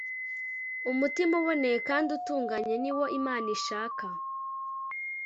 umutima uboneye kandi utunganye niwo imana ishaka